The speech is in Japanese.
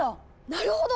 なるほど！